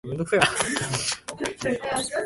指先が柔らかい何かに触れる